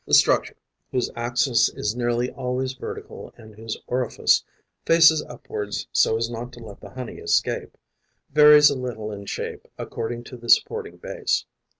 The structure, whose axis is nearly always vertical and whose orifice faces upwards so as not to let the honey escape, varies a little in shape according to the supporting base.